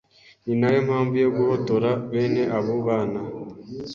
ni nayo mpamvu yo guhotora bene abo bana